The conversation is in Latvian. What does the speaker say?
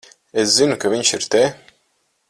Es zinu, ka viņš ir te.